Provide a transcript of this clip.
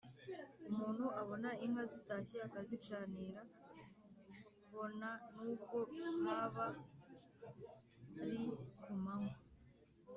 Umuntu abona inka zitashye akazicanira bona nubwo habari ku manywa